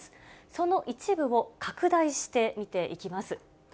その一部を拡大して見ていきます。